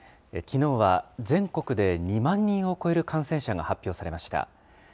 きのうは全国で２万人を超える感染者が発表されました。